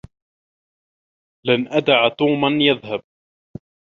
لن أدع توما يذهب.